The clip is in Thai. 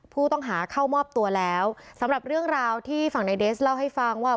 ผู้ต้องหาเข้ามอบตัวแล้วสำหรับเรื่องราวที่ฝั่งในเดสเล่าให้ฟังว่า